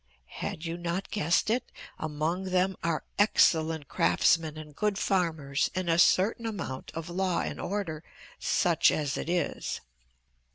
"Had you not guessed it? Among them are excellent craftsmen and good farmers and a certain amount of law and order, such as it is.